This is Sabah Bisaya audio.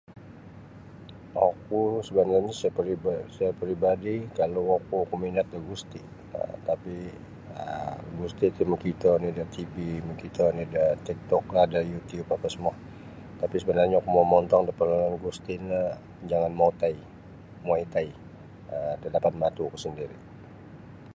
Oku [unintelligible] seca-secara peribadi kalau oku oku minat da gusti um tapi um gusti ti makito ni da TV makito ni da Tik Tok lah da Youtube apa semua tapi sabanarnya oku mau mongontong da parlawan gusti no jangan muay thai muay thai um da dapan matu ku sandiri.